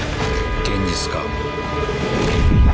現実か？